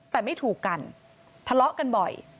แต่ไม่ถูกกันทะเลาะกันบ่อย